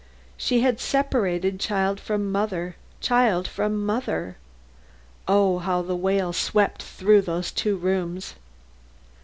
She had separated child from mother! child from mother! Oh, how the wail swept through those two rooms!